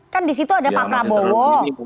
kan di situ ada pak prabowo